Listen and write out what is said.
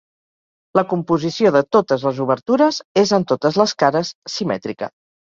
La composició de totes les obertures és en totes les cares, simètrica.